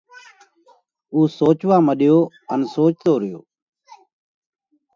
اُو سوچوا مڏيو ان سوچتو ريو۔